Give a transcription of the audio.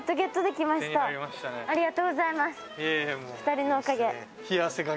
２人のおかげ。